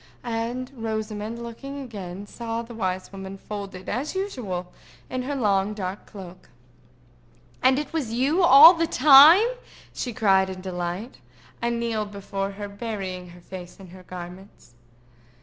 And Rosamond, looking again, saw the wise woman, folded as usual in her long dark cloak. "And it was you all the time?" she cried in delight, and kneeled before her, burying her face in her garments.